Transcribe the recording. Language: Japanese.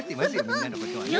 みんなのことはね。